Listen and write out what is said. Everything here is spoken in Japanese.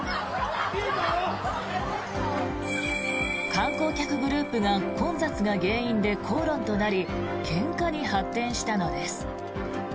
観光客グループが混雑が原因で口論となりけんかに発展したのです。